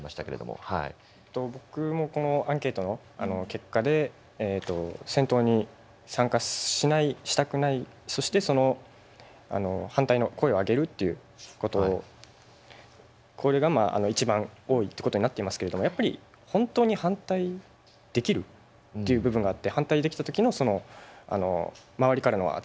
僕もこのアンケートの結果で戦闘に参加しないしたくないそしてその反対の声を上げるっていうことこれがまあ一番多いっていうことになってますけれどもやっぱり「本当に反対できる？」っていう部分があって反対できた時のその周りからの扱い。